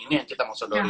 ini yang kita mau sodori